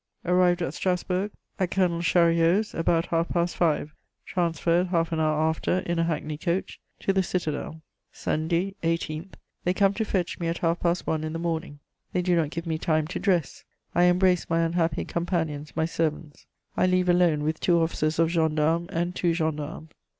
Arrived at Strasburg, at Colonel Chariot's, about half past five. Transferred half an hour after, in a hackney coach, to the citadel. ........ "Sunday 18, they come to fetch me at half past one in the morning. They do not give me time to dress. I embrace my unhappy companions, my servants. I leave alone with two officers of gendarmes and two gendarmes.